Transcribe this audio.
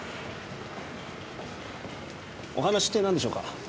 お話ってなんでしょうか？